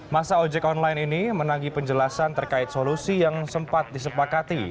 masa ojek online ini menagi penjelasan terkait solusi yang sempat disepakati